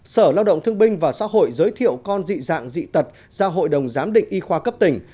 sở lao động thương binh và xã hội giới thiệu con dị dạng dị tật ra hội đồng giám định y khoa cấp tỉnh